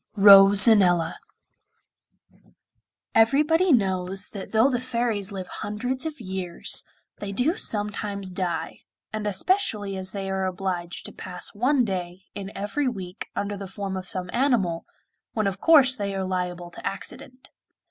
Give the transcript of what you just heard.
ROSANELLA Everybody knows that though the fairies live hundreds of years they do sometimes die, and especially as they are obliged to pass one day in every week under the form of some animal, when of course they are liable to accident.